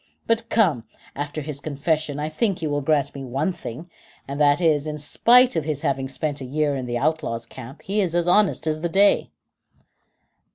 But come, after his confession, I think you will grant one thing, and that is, that in spite of his having spent a year in the outlaws' camp, he is as honest as the day."